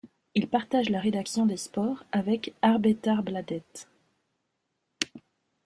Il partage la rédaction des sports avec Arbetarbladet.